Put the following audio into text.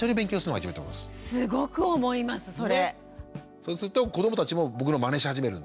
そうすると子どもたちも僕のまねし始めるんで。